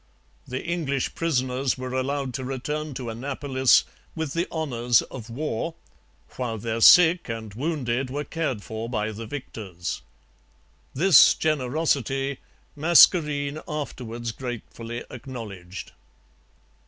The English prisoners were allowed to return to Annapolis with the honours of war, while their sick and wounded were cared for by the victors. This generosity Mascarene afterwards gratefully acknowledged.